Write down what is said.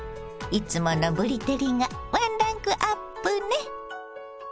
いつものぶり照りがワンランクアップね。